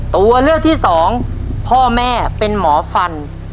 ตัวเลือกที่สองพ่อแม่เป็นหมอฟัน